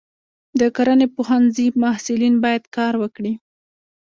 د کرنې پوهنځي محصلین باید کار وکړي.